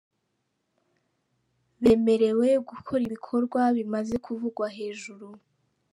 bemerewe gukora ibikorwa bimaze kuvugwa hejuru ;.